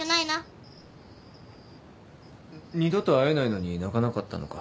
二度と会えないのに泣かなかったのか？